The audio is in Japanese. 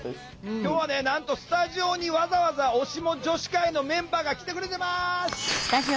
今日はねなんとスタジオにわざわざおシモ女子会のメンバーが来てくれてます！